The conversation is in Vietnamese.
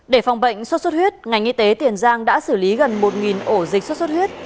để phòng bệnh sốt xuất huyết ngành y tế tiền giang đã xử lý gần một ổ dịch sốt xuất huyết